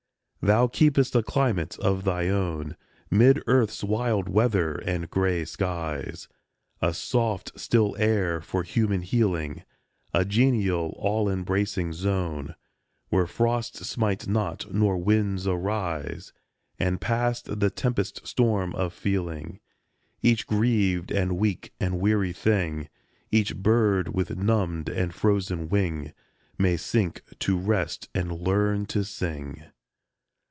Thou keepest a climate of thine own 'Mid earth's wild weather and gray skies, A soft, still air for human healing, A genial, all embracing zone Where frosts smite not nor winds arise ; And past the tempest storm of feeling Each grieved and weak and weary thing, Each bird with numbed and frozen wing, May sink to rest and learn to sing.